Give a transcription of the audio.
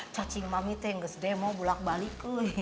cacing mami tuh gak sedih mau pulang balik